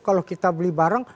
kalau kita beli barang